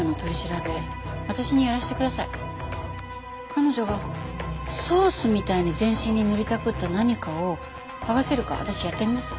彼女がソースみたいに全身に塗りたくった何かを剥がせるか私やってみます。